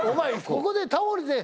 ここでタオルで。